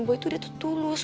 boy itu dia tuh tulus